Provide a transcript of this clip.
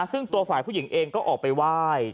ซึ่งตัวฝ่ายผู้หญิงเองก็ออกไปไหว้